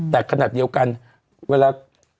แต่ขนาดเดียวกันเวลา